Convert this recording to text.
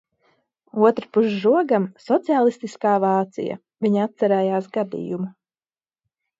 Otrpus žogam – sociālistiskā Vācija. Viņa atcerējās gadījumu.